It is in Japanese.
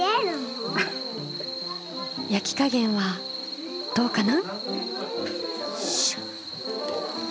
焼き加減はどうかな？